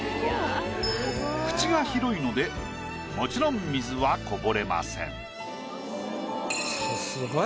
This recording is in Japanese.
口が広いのでもちろん水はこぼれません。